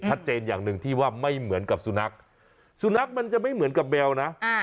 อย่างหนึ่งที่ว่าไม่เหมือนกับสุนัขสุนัขมันจะไม่เหมือนกับแมวนะ